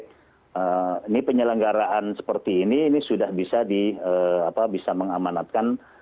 jadi penyelenggaraan seperti ini sudah bisa mengamanatkan